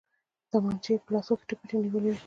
تمانچې يې په لاسو کې پټې نيولې وې.